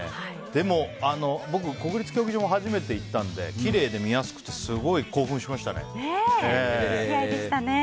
でも僕国立競技場、初めて行ったのできれいで見やすくてすごい興奮しましたね。